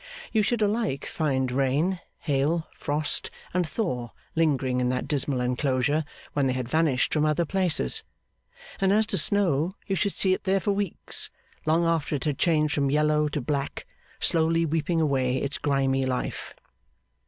You should alike find rain, hail, frost, and thaw lingering in that dismal enclosure when they had vanished from other places; and as to snow, you should see it there for weeks, long after it had changed from yellow to black, slowly weeping away its grimy life.